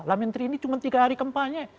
lah menteri ini cuma tiga hari kampanye